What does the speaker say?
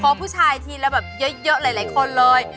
เพราะผู้ชายทีละแบบเยอะหลายคนเลย